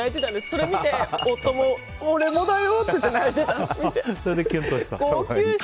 それを見て夫も俺もだよって泣いてたのを見て。